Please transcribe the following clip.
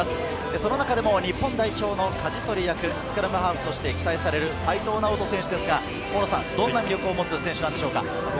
その中でも日本代表の舵取り役、スクラムハーフとして期待される齋藤直人選手、どんな魅力を持つ選手ですか？